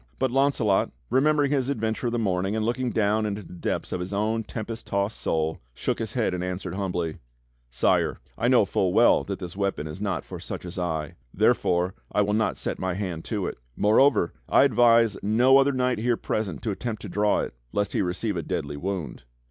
^^" But Launcelot, remembering his adventure of the morning, and looking down into the depths of his own tempest tossed soul, shook ^ his head and answered humbly: "Sire, I know full well that this weapon is not for such as I, therefore I will not set my hand to it. Moreover I advise no other knight here present to attempt to draw it lest he receive a deadly wound."